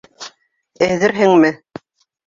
Әҙерһеңме?..